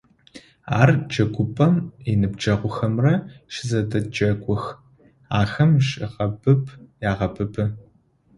Ар джэгупӏэм иныбджэгъухэмрэ щызэдэджэгух, ахэм жьыгъэбыб агъэбыбы.